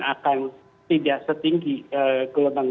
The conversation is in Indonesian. akan tidak setinggi gelombang